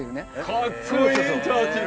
かっこいいチャーチル！